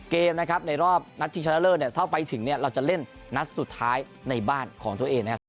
เกมนะครับในรอบนัดชิงชนะเลิศเนี่ยถ้าไปถึงเนี่ยเราจะเล่นนัดสุดท้ายในบ้านของตัวเองนะครับ